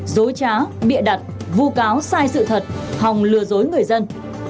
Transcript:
dối trá bịa đặt vu cáo sai sự thật hòng lừa dối người dân